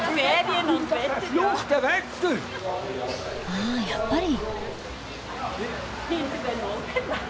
ああやっぱり。